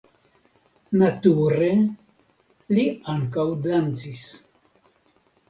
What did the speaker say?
Nature li ankaŭ dancis.